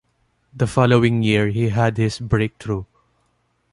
The following year he had his breakthrough.